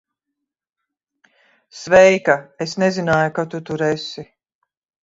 Sveika. Es nezināju, ka tu tur esi.